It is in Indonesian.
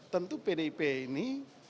tentu pdip ini